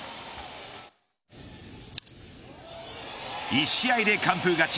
１試合で完封勝ち